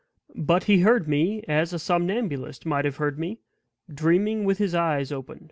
But he heard me as a somnambulist might have heard me dreaming with his eyes open.